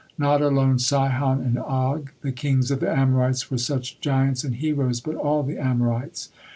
Not alone Sihon and Og, the kings of the Amorites, were such giants and heroes, but all the Amorites.